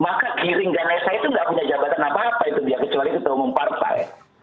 maka giringganesa itu tidak punya jabatan apa apa itu dia kecuali ketua umum partai